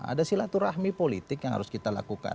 ada silaturahmi politik yang harus kita lakukan